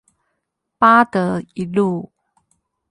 八德一路